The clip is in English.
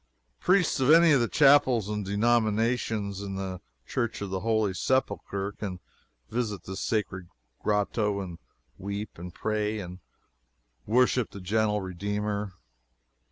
Priests of any of the chapels and denominations in the Church of the Holy Sepulchre can visit this sacred grotto to weep and pray and worship the gentle Redeemer.